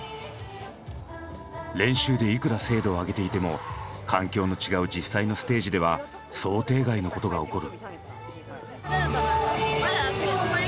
練習でいくら精度を上げていても環境の違う実際のステージでは想定外のことが起こる。